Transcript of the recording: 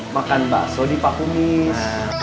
makan bakso di paku mis